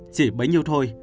chỉ bấy nhiêu thôi